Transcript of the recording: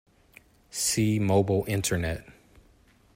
See mobile Internet.